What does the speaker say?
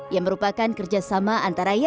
yang merupakan kerjasama antarabangsa